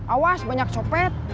awas banyak copet